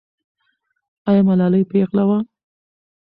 آیا ملالۍ پېغله وه؟